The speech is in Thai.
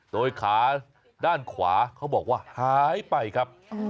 โดยขาด้านขวาเขาบอกว่าหายไปครับ